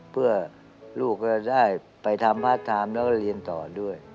เพื่อลูกก็จะได้ไปทำพาร์ทไทม์แล้วก็เรียนต่อด้วย